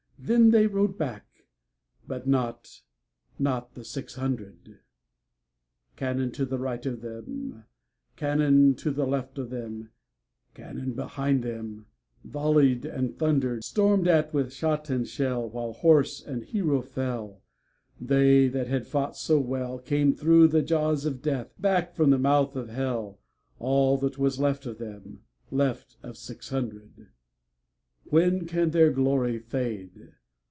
Then they rode back, but notNot the six hundred. Cannon to right of them, Cannon to left of them, Cannon behind themVolley'd and thunder'd; Storm'd at with shot and shell, While horse and hero fell, They that had fought so wellCame thro' the jaws of Death, Back from the mouth of Hell, All that was left of them, Left of six hundred. When can their glory fade?